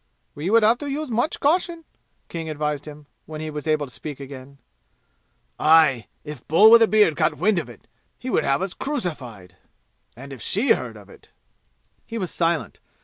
"We would have to use much caution," King advised him, when he was able to speak again. "Aye! If Bull with a beard got wind of it he would have us crucified. And if she heard of it " He was silent.